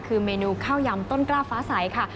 คือเมนูข้าวยำต้นกล้าฟ้าใสค่ะ